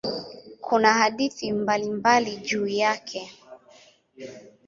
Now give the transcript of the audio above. Kuna hadithi mbalimbali juu yake.